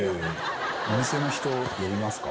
お店の人呼びますか。